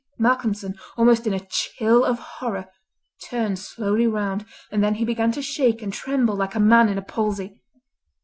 Malcolmson, almost in a chill of horror, turned slowly round, and then he began to shake and tremble like a man in a palsy.